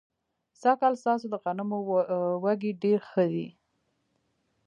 سږ کال ستاسو د غنمو وږي ډېر ښه دي.